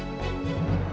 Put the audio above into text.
aku harus mencari ranti